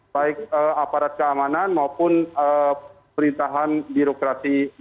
baik aparat keamanan maupun perintahan birokrasi